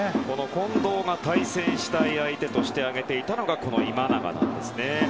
近藤が対戦したい相手として挙げていたのが今永なんですね。